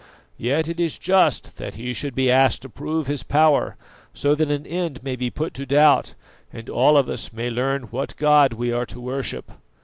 Yet it is just that he should be asked to prove his power, so that an end may be put to doubt and all of us may learn what god we are to worship."